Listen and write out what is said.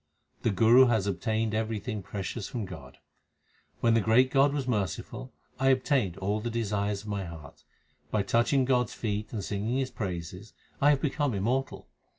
The Guru has obtained everything precious from God: When the great God was merciful, I obtained all the desires of my heart. By touching God s feet and singing His praises I have become immortal.